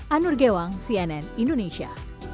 anur gewang cnn indonesia